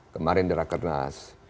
kemarin di rakernas